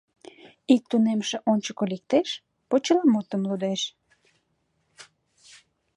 Ик тунемше ончыко лектеш, почеламутым лудеш: